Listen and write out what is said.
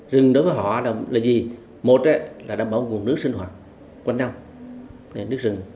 rừng đối với họ là gì một là đảm bảo nguồn nước sinh hoạt quanh năm nước rừng